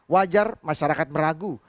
wajar masyarakat meragu